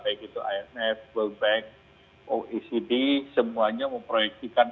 baik itu imf world bank oecd semuanya memproyeksikan